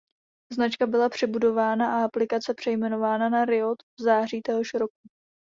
Značka byla přebudována a aplikace přejmenována na Riot v září téhož roku.